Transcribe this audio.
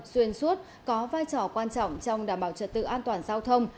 xuyên suốt có vai trò quan trọng trong đảm bảo trật tự an toàn giao thông